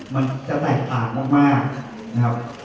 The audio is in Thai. มันจะแตกต่างมากนะครับ